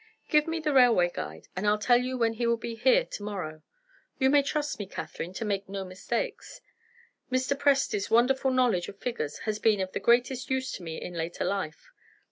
Give me the railway guide, and I'll tell you when he will be here tomorrow. You may trust me, Catherine, to make no mistakes. Mr. Presty's wonderful knowledge of figures has been of the greatest use to me in later life.